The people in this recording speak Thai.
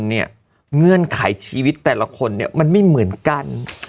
เงื่อนไขชีวิตแต่ละคนเนี่ยมันไม่เหมือนกัน